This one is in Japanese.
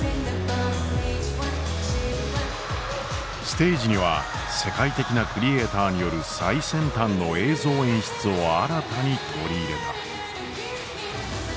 ステージには世界的なクリエーターによる最先端の映像演出を新たに取り入れた。